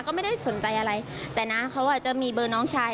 ก็ไม่ได้สนใจอะไรแต่น้าเขาอาจจะมีเบอร์น้องชาย